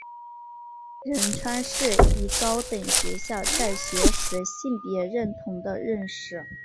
仁川世一高等学校在学时性别认同的认识。